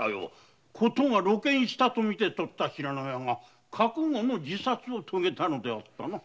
事が露見したと見て取った信濃屋が覚悟の自殺を遂げたのであったな。